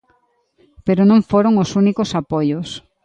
Pero non foron os únicos apoios.